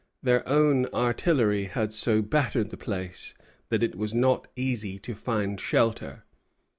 Their own artillery had so battered the place that it was not easy to find shelter.